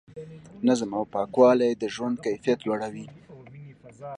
نظم او پاکوالی د ژوند کیفیت لوړوي.